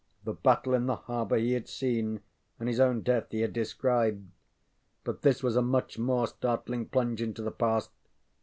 The battle in the harbor he had seen; and his own death he had described. But this was a much more startling plunge into the past.